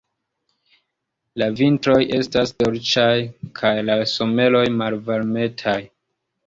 La vintroj estas dolĉaj kaj la someroj malvarmetaj.